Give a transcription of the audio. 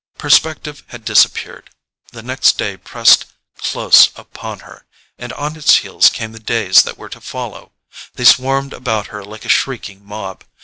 Perspective had disappeared—the next day pressed close upon her, and on its heels came the days that were to follow—they swarmed about her like a shrieking mob.